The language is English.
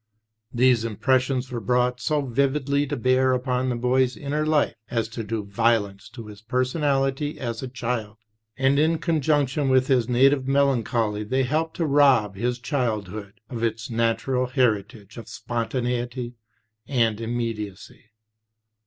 These impressions were brought so vividly to bear upon the boy's inner life as to do violence to his per sonality as a child; and in conjunction with his native melan choly they helped to rob his childhood of its natural heritage of spontaneity and immediacy.